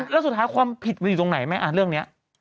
แล้วสุดท้ายความผิดมันอยู่ตรงไหนไหมเรื่องนี้